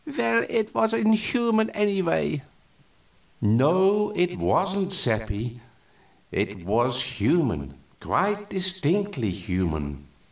"Well, it was inhuman, anyway." "No, it wasn't, Seppi; it was human quite distinctly human.